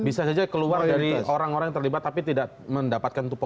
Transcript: bisa saja keluar dari orang orang yang terlibat tapi tidak mendapatkan